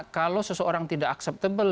kalau seseorang tidak akseptabel